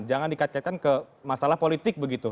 jangan dikatakan ke masalah politik begitu